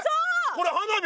これ花火！？